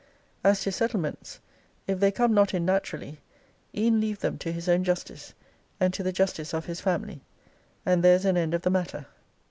As to settlements, if they come not in naturally, e'en leave them to his own justice, and to the justice of his family, And there's an end of the matter.